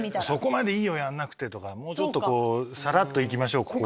「そこまでいいよやんなくて」とか「もうちょっとこうサラッといきましょう